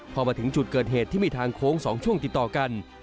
พอมาถึงจุดเกิดเหตุที่มีทางโค้ง๒ช่วงติดต่อกัน